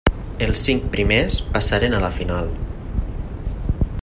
Els cinc primers passaren a la final.